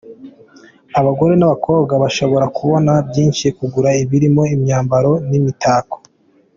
Abagore n’abakobwa bashobora kubona byinshi bagura birimo imyambaro n’imitako.